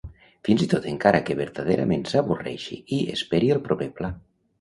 Fins i tot encara que vertaderament s'avorreixi i esperi el proper pla.